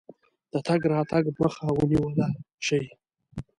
د تګ راتګ مخه ونیوله شي.